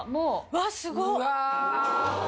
わっすごっ！